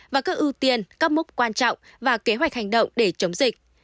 và các ưu tiên các mốc quan trọng và kế hoạch hành động để chống dịch